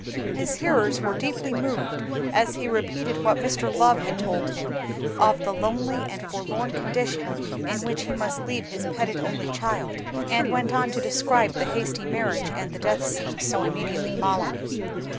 His hearers were deeply moved as he repeated what Mr. Love had told him of the lonely and forlorn condition in which he must leave his petted only child, and went on to describe the hasty marriage and the death scene, so immediately following.